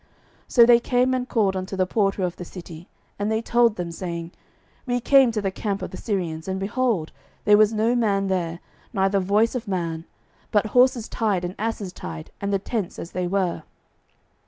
12:007:010 So they came and called unto the porter of the city: and they told them, saying, We came to the camp of the Syrians, and, behold, there was no man there, neither voice of man, but horses tied, and asses tied, and the tents as they were.